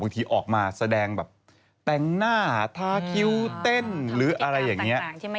ที่ออกมาแสดงแบบแต่งหน้าทาคิวเต้นหรืออะไรอย่างนี้